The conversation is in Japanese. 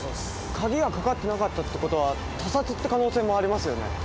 鍵がかかってなかったってことは他殺って可能性もありますよね？